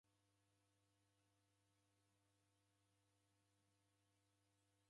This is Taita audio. Linu ni linu uw'ona luw'e.